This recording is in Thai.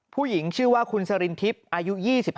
ผู้หญิงชื่อว่าคุณสรินทิพย์อายุ๒๕